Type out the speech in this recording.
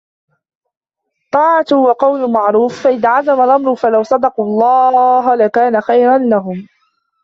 طاعة وقول معروف فإذا عزم الأمر فلو صدقوا الله لكان خيرا لهم